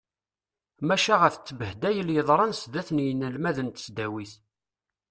Maca ɣef ttbehdayel yeḍran sdat n yinelmaden n tesdawit.